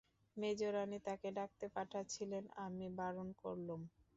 মেজোরানী তাকে ডাকতে পাঠাচ্ছিলেন, আমি বারণ করলুম।